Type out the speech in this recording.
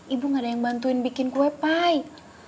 ibu gak ada yang bantuin bikin kue pie